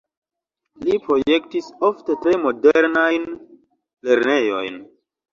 Li projektis ofte tre modernajn lernejojn.